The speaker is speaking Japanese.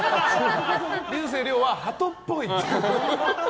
竜星涼はハトっぽい。